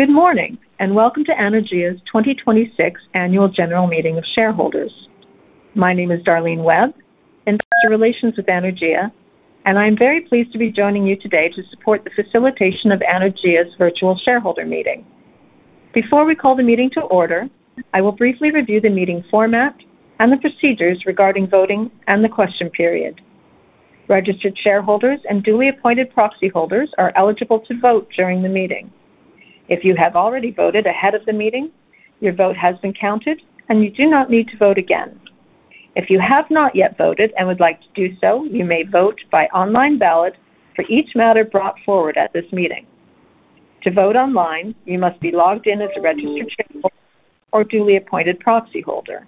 Good morning, and welcome to Anaergia's 2026 Annual General Meeting of Shareholders. My name is Darlene Webb, Investor Relations with Anaergia, and I'm very pleased to be joining you today to support the facilitation of Anaergia's virtual shareholder meeting. Before we call the meeting to order, I will briefly review the meeting format and the procedures regarding voting and the question period. Registered shareholders and duly appointed proxyholders are eligible to vote during the meeting. If you have already voted ahead of the meeting, your vote has been counted, and you do not need to vote again. If you have not yet voted and would like to do so, you may vote by online ballot for each matter brought forward at this meeting. To vote online, you must be logged in as a registered shareholder or duly appointed proxyholder.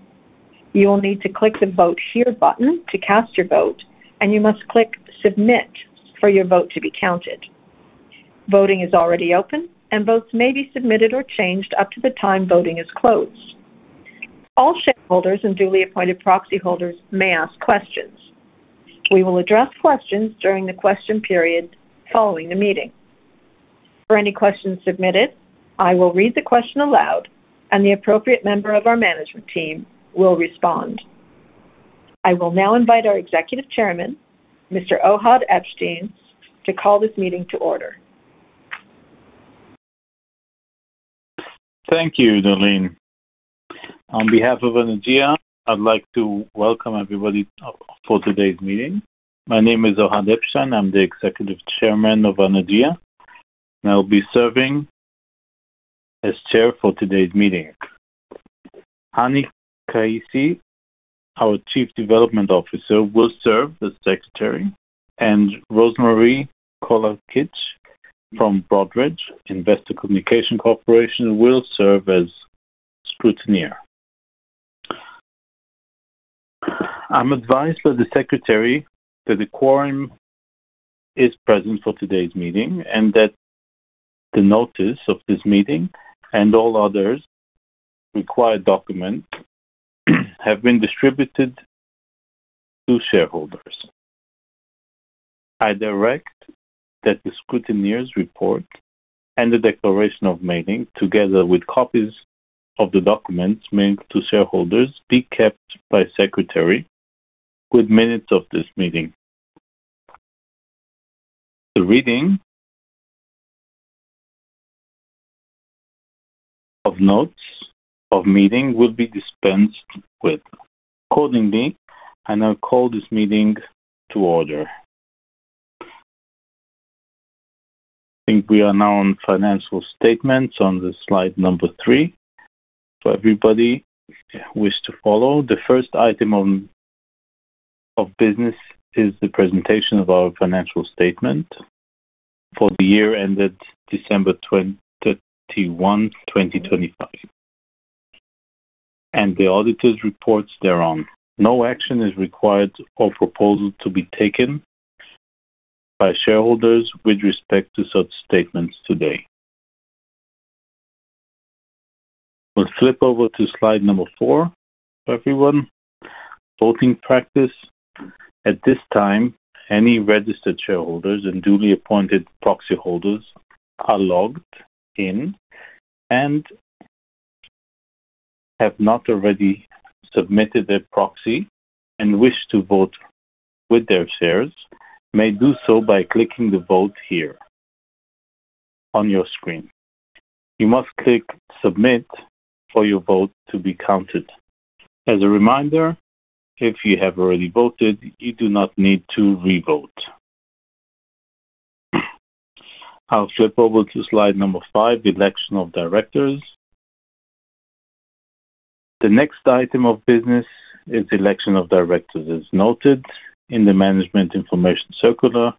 You will need to click the Vote Here button to cast your vote, and you must click Submit for your vote to be counted. Voting is already open, and votes may be submitted or changed up to the time voting is closed. All shareholders and duly appointed proxyholders may ask questions. We will address questions during the question period following the meeting. For any questions submitted, I will read the question aloud, and the appropriate member of our management team will respond. I will now invite our Executive Chairman, Mr. Ohad Epschtein, to call this meeting to order. Thank you, Darlene. On behalf of Anaergia, I'd like to welcome everybody for today's meeting. My name is Ohad Epschtein. I'm the executive chairman of Anaergia, and I'll be serving as chair for today's meeting. Hani Kaissi, our chief development officer, will serve as secretary, and Rosemarie Colakic from Broadridge Investor Communications Corporation will serve as scrutineer. I'm advised by the secretary that the quorum is present for today's meeting and that the notice of this meeting and all others required documents have been distributed to shareholders. I direct that the scrutineer's report and the declaration of meeting, together with copies of the documents made to shareholders, be kept by secretary with minutes of this meeting. The reading of notes of meeting will be dispensed with accordingly, and I'll call this meeting to order. I think we are now on financial statements on the slide number three for everybody who wish to follow. The first item of business is the presentation of our financial statement for the year ended December 31, 2025, and the auditors' reports thereon. No action is required or proposal to be taken by shareholders with respect to such statements today. We'll flip over to slide number four for everyone. Voting practice. At this time, any registered shareholders and duly appointed proxyholders are logged in and have not already submitted their proxy and wish to vote with their shares may do so by clicking the Vote Here on your screen. You must click Submit for your vote to be counted. As a reminder, if you have already voted, you do not need to revote. I'll flip over to slide number five, election of directors. The next item of business is election of directors. As noted in the Management Information Circular,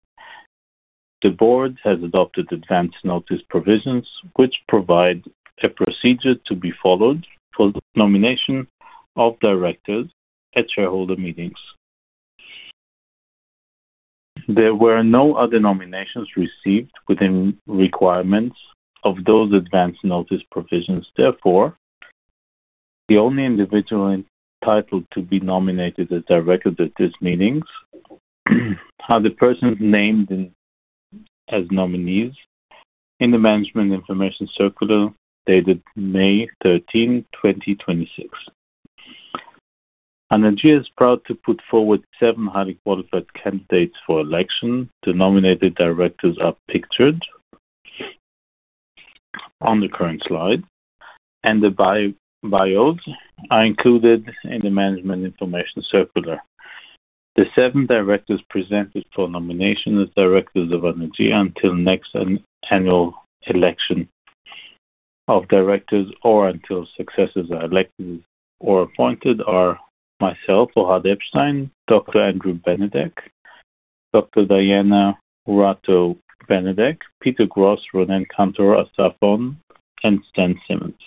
the board has adopted Advance Notice Provisions which provide a procedure to be followed for the nomination of directors at shareholder meetings. There were no other nominations received within requirements of those Advance Notice Provisions. The only individual entitled to be nominated as director at these meetings are the persons named as nominees in the Management Information Circular dated May 13, 2026. Anaergia is proud to put forward seven highly qualified candidates for election. The nominated directors are pictured on the current slide, and the bios are included in the Management Information Circular. The seven directors presented for nomination as directors of Anaergia until next annual election of directors or until successors are elected or appointed are myself, Ohad Epschtein, Dr. Andrew Benedek, Dr. Diana Mourato Benedek, Peter Gross, Ronen Kantor, Assaf Onn, and Stan Simmons.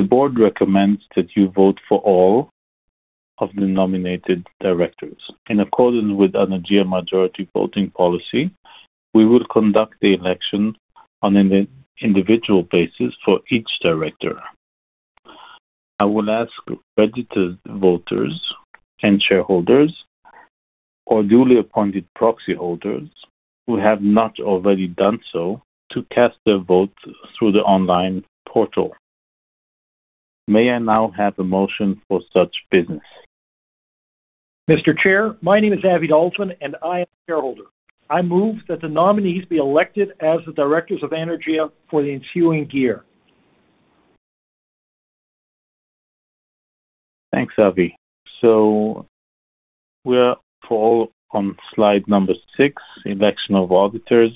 The board recommends that you vote for all of the nominated directors. In accordance with Anaergia Majority Voting Policy, we will conduct the election on an individual basis for each director. I will ask registered voters and shareholders or duly appointed proxyholders who have not already done so to cast their vote through the online portal. May I now have a motion for such business? Mr. Chair, my name is Avi Dalfen, and I am a shareholder. I move that the nominees be elected as the directors of Anaergia for the ensuing year. Thanks, Avi. We are all on slide number six, election of auditors.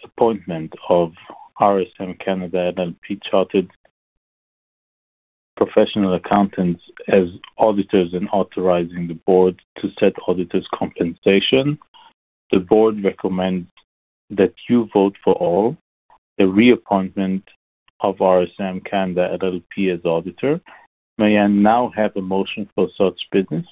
The next item of business is the reappointment of RSM Canada LLP, Chartered Professional Accountants as auditors and authorizing the board to set auditors' compensation. The board recommends that you vote for all the reappointment of RSM Canada LLP as auditor. May I now have a motion for such business?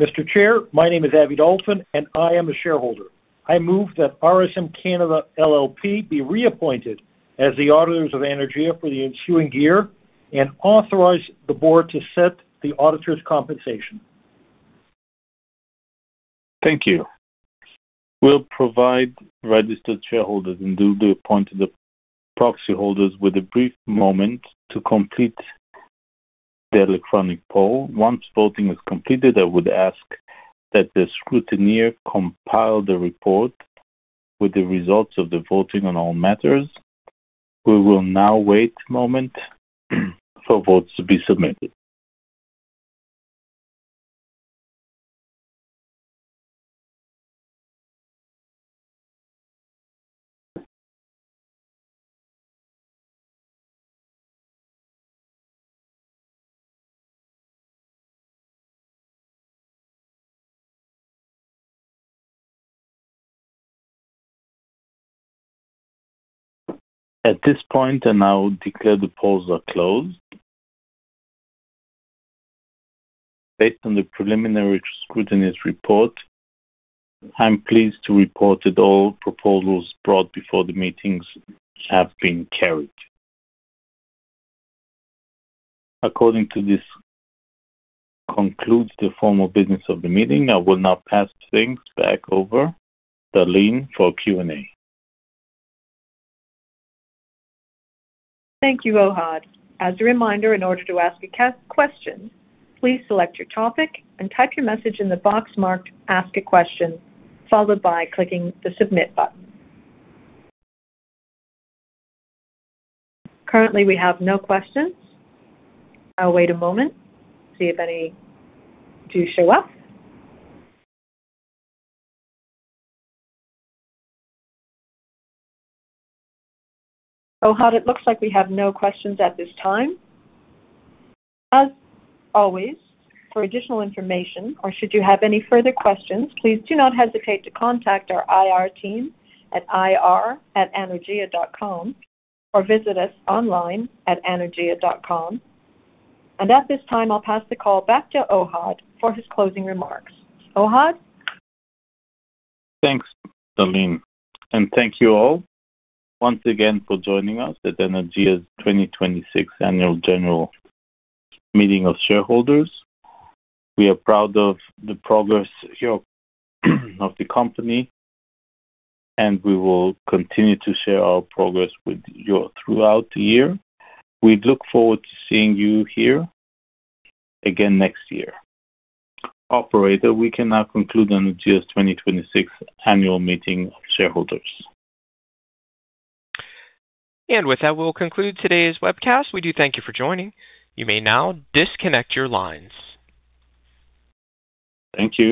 Mr. Chair, my name is Avi Dalfen, and I am a shareholder. I move that RSM Canada LLP be reappointed as the auditors of Anaergia for the ensuing year and authorize the board to set the auditors' compensation. Thank you. We'll provide registered shareholders and duly appointed proxyholders with a brief moment to complete the electronic poll. Once voting is completed, I would ask that the scrutineer compile the report with the results of the voting on all matters. We will now wait a moment for votes to be submitted. At this point, I now declare the polls are closed. Based on the preliminary scrutineer's report, I'm pleased to report that all proposals brought before the meetings have been carried. According to this, concludes the formal business of the meeting. I will now pass things back over to Darlene for Q&A. Thank you, Ohad. As a reminder, in order to ask a question, please select your topic and type your message in the box marked Ask a Question, followed by clicking the Submit button. Currently, we have no questions. I'll wait a moment to see if any do show up. Ohad, it looks like we have no questions at this time. As always, for additional information or should you have any further questions, please do not hesitate to contact our IR team at ir@anaergia.com or visit us online at anaergia.com. At this time, I'll pass the call back to Ohad for his closing remarks. Ohad. Thanks, Darlene. Thank you all once again for joining us at Anaergia's 2026 Annual General Meeting of Shareholders. We are proud of the progress of the company, and we will continue to share our progress with you all throughout the year. We look forward to seeing you here again next year. Operator, we can now conclude Anaergia's 2026 Annual Meeting of Shareholders. With that, we'll conclude today's webcast. We do thank you for joining. You may now disconnect your lines. Thank you